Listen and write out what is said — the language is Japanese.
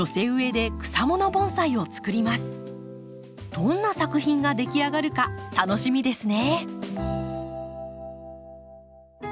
どんな作品が出来上がるか楽しみですね。